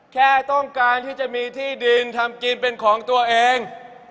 แค่ต้องการที่จะมีที่ดินทำกินเป็นของตัวเอง